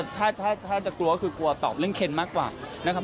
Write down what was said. ถ้าจะกลัวก็คือกลัวตอบเรื่องเคนมากกว่านะครับ